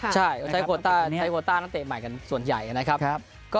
ใช่ใช้โคต้านักเตะใหม่กันส่วนใหญ่นะครับ